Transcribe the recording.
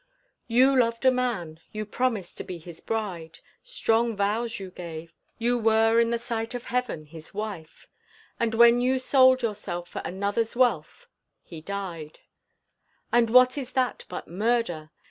You loved a man, you promised to be his bride, Strong vows you gave, you were in the sight of Heaven his wife, And when you sold yourself for another's wealth, he died; And what is that but murder?